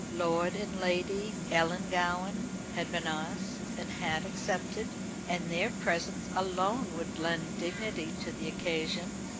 Lord and Lady Ellangowan had been asked, and had accepted, and their presence alone would lend dignity to the occasion.